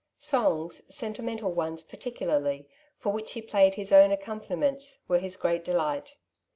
Songs, sentimental ones particularly, for which he played his own accom paniments, were his great delight.